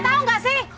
tau gak sih